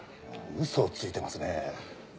嘘をついてますね秋葉は。